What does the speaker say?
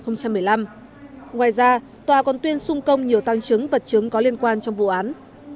ngoài ra tòa còn tuyên sung công nhiều tăng chứng vật chứng có liên quan trong vụ án